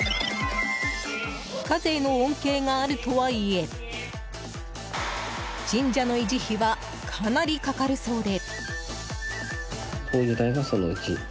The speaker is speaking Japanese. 非課税の恩恵があるとはいえ神社の維持費はかなりかかるそうで。